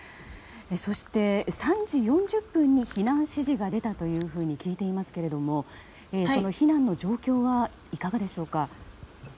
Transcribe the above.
そして、３時４０分に避難指示が出たと聞いていますけれども避難の状況はいかがでしょうか。